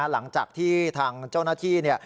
หลังจากที่ทางเจ้าหน้าที่เนี่ย